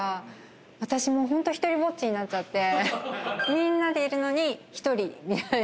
みんなでいるのに一人みたいな。